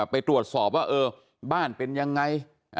ไปตรวจสอบว่าเออบ้านเป็นยังไง